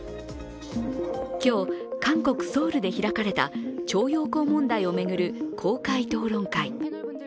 今日、韓国・ソウルで開かれた徴用工問題を巡る公開討論会。